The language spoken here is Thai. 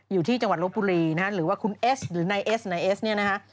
อยู่ที่จังหวัดลบบุรีนะฮะหรือว่าคุณเอสหรือนายเอสนายเอสเนี่ยนะคะ